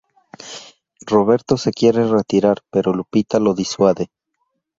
Roberto se quiere retirar pero Lupita lo disuade.